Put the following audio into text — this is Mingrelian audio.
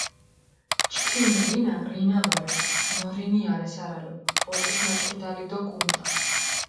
ჩქინ რინა, რინა ვარე, ნორინია რე სარალო, ოჭიშმაჭყვიდალი დო კუნტა.